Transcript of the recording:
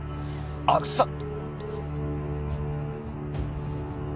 阿久津さん